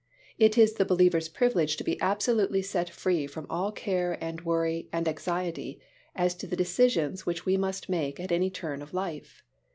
It is the believer's privilege to be absolutely set free from all care and worry and anxiety as to the decisions which we must make at any turn of life.